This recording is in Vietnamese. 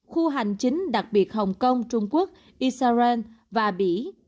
khu hành chính đặc biệt hồng kông trung quốc israel và bỉ